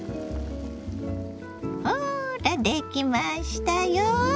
ほらできましたよ。